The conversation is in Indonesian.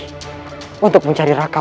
kanda pasti akan menyelamatkan putra kita